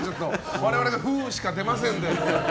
我々が「フゥ」しか出ませんで。